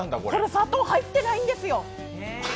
これ、砂糖入ってないんですよ！